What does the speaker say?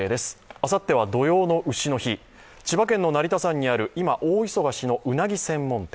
あさっては土用の丑の日、千葉県の成田山にある今、大忙しのうなぎ専門店。